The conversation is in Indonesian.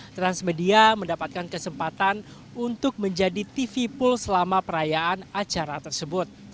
transmedia mendapatkan kesempatan untuk menjadi tv pool selama perayaan acara tersebut